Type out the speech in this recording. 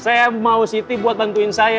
saya mau city buat bantuin saya